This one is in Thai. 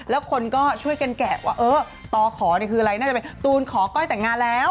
แล้วคนก็ช่วยกันแกะว่าเออตอขอนี่คืออะไรน่าจะเป็นตูนขอก้อยแต่งงานแล้ว